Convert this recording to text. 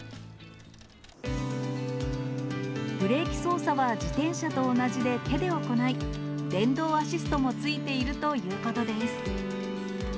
ブレーキ操作は自転車と同じで手で行い、電動アシストもついているということです。